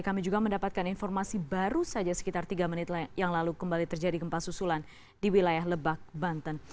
kami juga mendapatkan informasi baru saja sekitar tiga menit yang lalu kembali terjadi gempa susulan di wilayah lebak banten